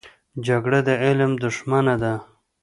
جګړه د علم دښمنه ده